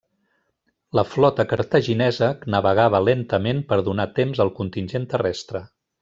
La flota cartaginesa navegava lentament per donar temps al contingent terrestre.